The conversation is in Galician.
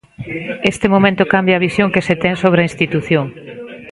Este momento cambia a visión que se ten sobre a institución.